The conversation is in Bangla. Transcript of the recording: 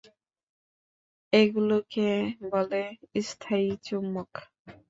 এগুলোকে বলে স্থায়ী চুম্বক।